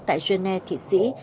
tại genève thị sĩ